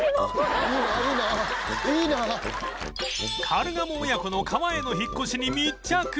カルガモ親子の川への引っ越しに密着！